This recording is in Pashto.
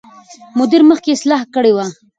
مدیر مخکې اصلاح کړې وه.